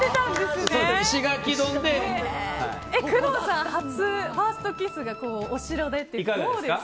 工藤さん、ファーストキスがお城でってどうですか？